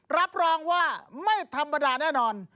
รับรองว่าไม่ธรรมดาแน่นอน